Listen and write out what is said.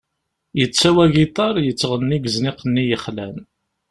Yettawi agiṭar, yettɣenni deg uzniq-nni yexlan.